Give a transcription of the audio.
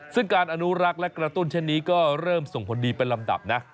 ซึ่งการอนุรักษ์และกระตุ้นเช่นนี้ก็เริ่มส่งผลดีเป็นลำดับนะ